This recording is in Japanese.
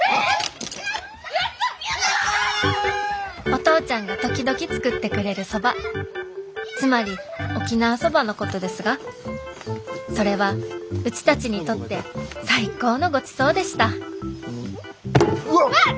お父ちゃんが時々作ってくれるそばつまり沖縄そばのことですがそれはうちたちにとって最高のごちそうでしたうわっ！